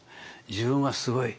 「自分はすごい！